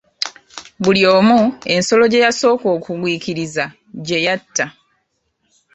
Buli omu ensolo gye yasooka okugwikiriza gye yatta.